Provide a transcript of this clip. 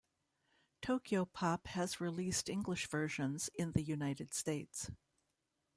Tokyopop has released English versions in the United States.